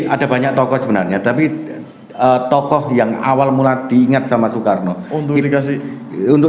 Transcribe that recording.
ada banyak tokoh sebenarnya tapi tokoh yang awal mula diingat sama soekarno untuk irigasi untuk